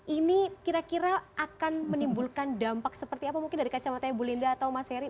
ini kira kira akan menimbulkan dampak seperti apa mungkin dari kacamata ibu linda atau mas heri